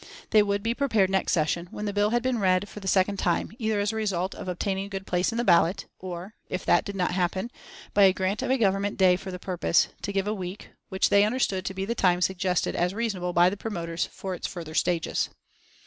They would be prepared next session, when the bill had been again read for the second time, either as a result of obtaining a good place in the ballot, or (if that did not happen) by a grant of a Government day for the purpose, to give a week, which they understood to be the time suggested as reasonable by the promoters for its further stages.